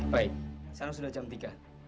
baik sekarang sudah jam tiga